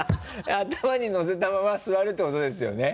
頭にのせたまま座るってことですよね？